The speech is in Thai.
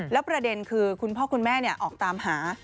แล้วประเด็นคือคุณพ่อคุณแม่ออกตามหา